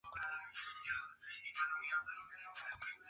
Su mayor título fue el de catedrático.